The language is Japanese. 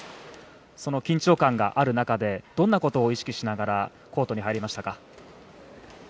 その緊張感がある中でどんなことを意識しながらコートに入りましたか？